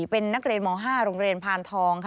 เป็นนักเรียนม๕โรงเรียนพานทองค่ะ